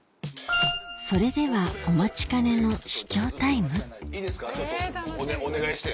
それではお待ちかねの試聴タイムいいですかちょっとお願いして。